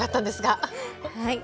はい。